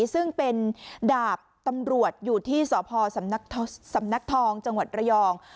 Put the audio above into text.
ซึ่งเป็นดาบตำรวจอยู่ที่สพสำนักทองจังหวัดระยอง